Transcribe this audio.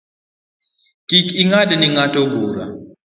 Kik ing’ad ni ng’ato bura